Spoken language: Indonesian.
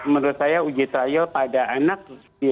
menurut saya uji trial pada anak